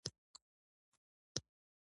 خوب د شپه د ښایست برخه ده